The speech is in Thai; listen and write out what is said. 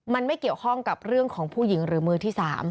มันไม่เกี่ยวข้องกับเรื่องของผู้หญิงหรือมือที่๓